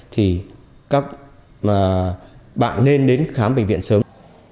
thì các bạn nên đến khám bệnh viện sớm